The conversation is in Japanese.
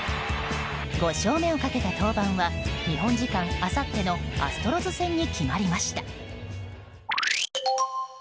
５勝目をかけた登板は日本時間あさってのアストロズ戦にきまりました。